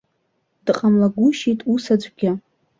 Дҟамлагәышьеит ус аӡәгьы.